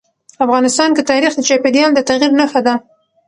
افغانستان کې تاریخ د چاپېریال د تغیر نښه ده.